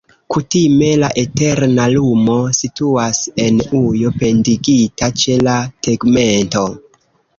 Kutime la eterna lumo situas en ujo pendigita ĉe la tegmento.